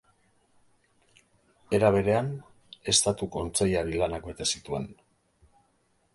Era berean, Estatu Kontseilari lanak bete zituen.